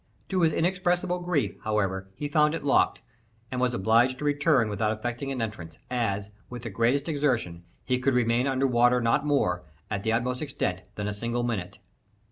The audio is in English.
To his inexpressible grief, however, he found it locked, and was obliged to return without effecting an entrance, as, with the greatest exertion, he could remain under water not more, at the utmost extent, than a single minute.